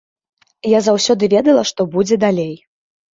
Я заўсёды ведала што будзе далей.